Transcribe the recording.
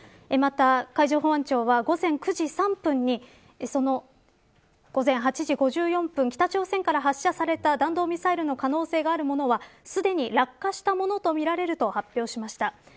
また海上保安庁は午前９時３分に午前８時５４分北朝鮮から発射された弾道ミサイルの可能性があるものはすでに落下したものとみられると発表しました。